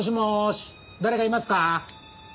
誰かいますか？